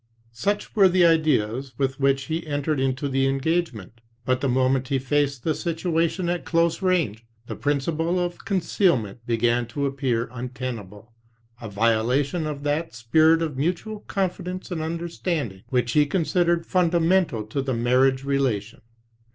Such were the ideas with which he entered into the engagement. But the moment he faced the situation at close range, the principle of concealment began to appear untenable, a violation of that spirit of mutual confidence and understanding which he considered fundamental to the marriage relation.